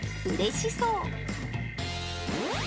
うれしそう。